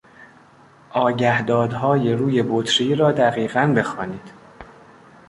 آگهدادهای روی بطری را دقیقا بخوانید.